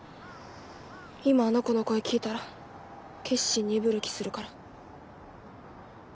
今あの子の声聞いたら決心鈍る気するから。